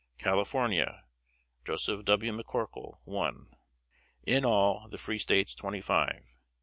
California: Joseph W. McCorkle 1. In all the free States twenty five.